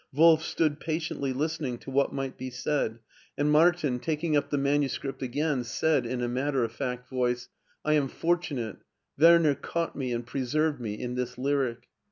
Wolf stood patiently listening to what might be said, and Martin, taking up SCHWARZWALD 261 the manuscript again, said, in a matter of fact voice :'" I am fortunate ; Werner caught me and preserved me in this lyric.''